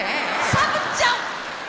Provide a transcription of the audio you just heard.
サブちゃん！